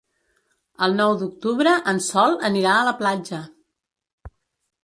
El nou d'octubre en Sol anirà a la platja.